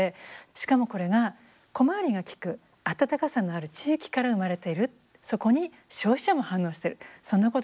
しかもこれが小回りが利く温かさのある地域から生まれているそこに消費者も反応してるそんなことが見えたかと思いますね。